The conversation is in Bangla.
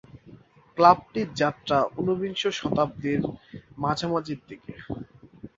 ক্লাবটির যাত্রা শুরু ঊনবিংশ শতকের মাঝামাঝি সময়ে।